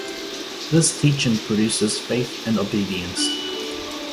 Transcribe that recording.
This teaching produces faith and obedience.